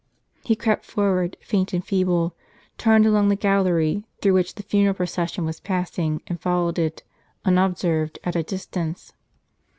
He crept forward, faint and feeble, turned along the gallery through which the funeral procession was passing, and followed it, unobserved, at a dis tance.